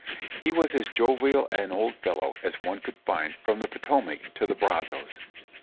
He was as jovial an old fellow as one could find from the Potomac to the Brazos.